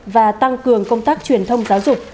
và tăng cường công tác truyền thông giáo dục